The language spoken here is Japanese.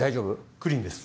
クリーンです。